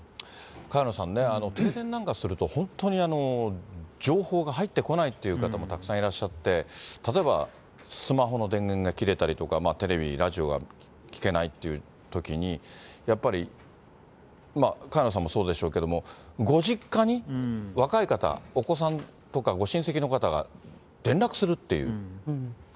萱野さんね、停電なんかすると、本当に情報が入ってこないという方もたくさんいらっしゃって、例えばスマホの電源が切れたりとか、テレビ、ラジオが聞けないってときに、やっぱり、萱野さんもそうでしょうけど、ご実家に若い方、お子さんとかご親戚の方が連絡するっていう。